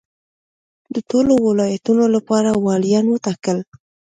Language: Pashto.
د ټولو ولایتونو لپاره والیان وټاکل.